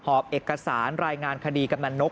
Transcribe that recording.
อบเอกสารรายงานคดีกำนันนก